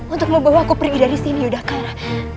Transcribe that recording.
untuk membawa aku pergi dari sini yudha kara